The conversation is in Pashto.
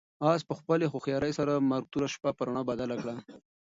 آس په خپلې هوښیارۍ سره د مرګ توره شپه په رڼا بدله کړه.